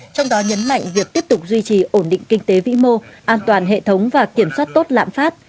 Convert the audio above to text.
trong đó nhấn mạnh việc tiếp tục duy trì ổn định kinh tế vĩ mô an toàn hệ thống và kiểm soát tốt lãm phát